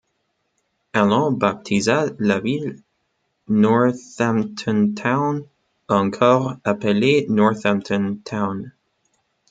Allen baptisa la ville Northamptontown, encore appelée Northampton -Towne.